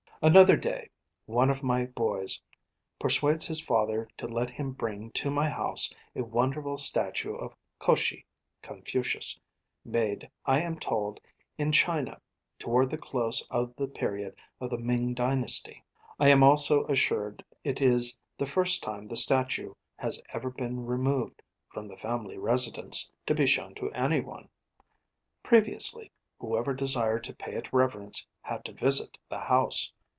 Another day one of my boys persuades his father to let him bring to my house a wonderful statue of Koshi (Confucius), made, I am told, in China, toward the close of the period of the Ming dynasty. I am also assured it is the first time the statue has ever been removed from the family residence to be shown to anyone. Previously, whoever desired to pay it reverence had to visit the house.